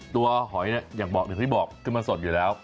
หอยเนี่ยอย่างที่บอกคือมันสดอยู่แล้ว